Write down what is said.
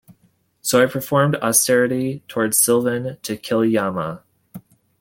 So I performed austerity towards Sivan to kill Yama.